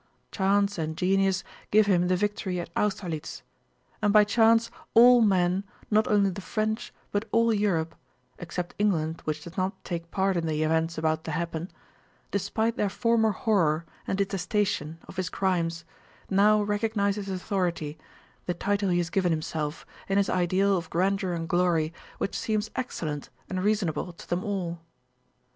Chance and genius give him the victory at Austerlitz; and by chance all men, not only the French but all Europe—except England which does not take part in the events about to happen—despite their former horror and detestation of his crimes, now recognize his authority, the title he has given himself, and his ideal of grandeur and glory, which seems excellent and reasonable to them all.